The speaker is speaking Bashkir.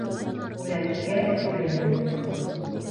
Үләткә үлем юҡ